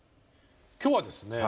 今日はですね